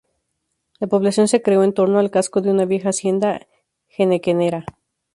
La población se creó en torno al casco de una vieja hacienda henequenera.